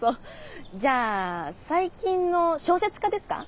じゃあ最近の小説家ですか？